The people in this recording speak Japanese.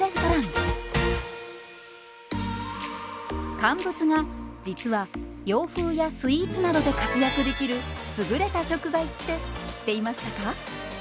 乾物が実は洋風やスイーツなどで活躍できる優れた食材って知っていましたか？